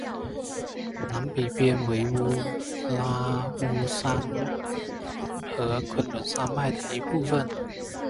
南北边缘为乌兰乌拉山和昆仑山脉的一部分。